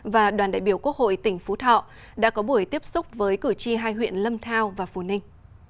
và đoàn đại biểu quốc hội tỉnh phú thọ đã có buổi tiếp xúc với cử tri hai huyện lâm thao và phù ninh